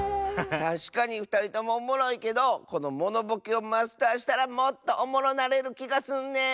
たしかにふたりともおもろいけどこのモノボケをマスターしたらもっとおもろなれるきがすんねん！